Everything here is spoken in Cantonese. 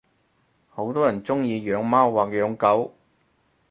好多人鐘意養貓或養狗